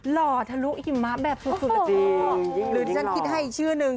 หล่อทะลุหิมะแบบสุดเลยจริงหรือที่ฉันคิดให้อีกชื่อนึง